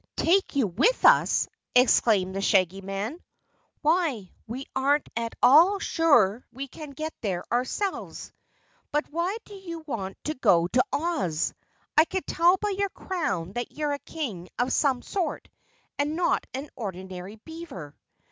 "Take you with us!" exclaimed the Shaggy Man. "Why, we aren't at all sure we can get there ourselves. But why do you want to go to Oz? I can tell by your crown that you're a King of some sort and not an ordinary beaver."